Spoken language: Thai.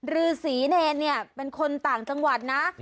ฤษีเนรเนี่ยเป็นคนต่างจังหวัดนะ